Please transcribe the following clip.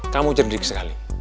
kamu cerdik sekali